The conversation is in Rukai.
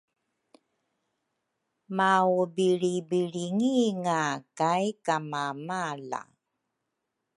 maubilribilringinga kay kamamala.